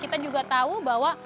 kita juga tahu bahwa tanahnya kita